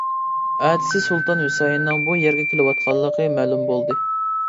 ئەتىسى سۇلتان ھۈسەيىننىڭ بۇ يەرگە كېلىۋاتقانلىقى مەلۇم بولدى، .